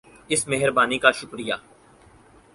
اس مہربانی کا شکریہ